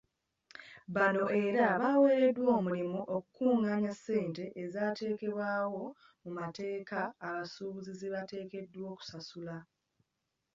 Bano era baweereddwa omulimu okukungaanya ssente ezaateekebwawo mu mateeka abasuubuzi ze bateekeddwa okusasula.